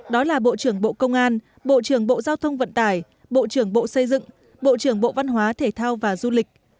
đó là bộ trưởng bộ công an bộ trưởng bộ giao thông vận tải bộ trưởng bộ xây dựng bộ trưởng bộ văn hóa thể thao và du lịch